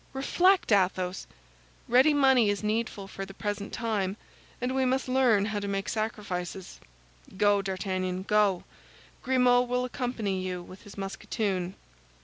"Reflect, Athos!" "Ready money is needful for the present time, and we must learn how to make sacrifices. Go, D'Artagnan, go; Grimaud will accompany you with his musketoon."